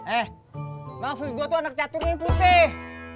eh maksud gue tuh anak catur yang putih